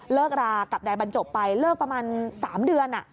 เลิกรากับนายบรรจบไปเลิกประมาณ๓เดือน